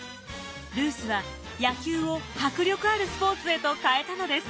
ルースは野球を迫力あるスポーツへと変えたのです。